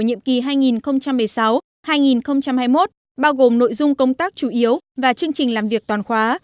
nhiệm kỳ hai nghìn một mươi sáu hai nghìn hai mươi một bao gồm nội dung công tác chủ yếu và chương trình làm việc toàn khóa